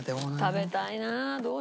食べたいな。